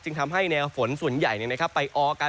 ทำให้แนวฝนส่วนใหญ่ไปออกัน